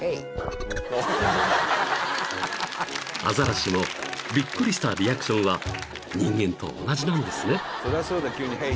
［アザラシもびっくりしたリアクションは人間と同じなんですね］